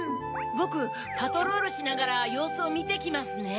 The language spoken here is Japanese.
ボクパトロールしながらようすをみてきますね。